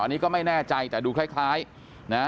อันนี้ก็ไม่แน่ใจแต่ดูคล้ายนะ